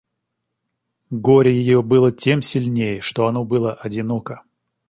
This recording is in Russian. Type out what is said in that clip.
Горе ее было тем сильнее, что оно было одиноко.